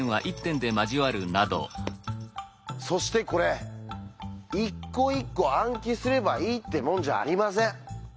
そしてこれ一個一個暗記すればいいってもんじゃありません。